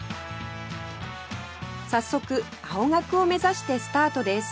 早速青学を目指してスタートです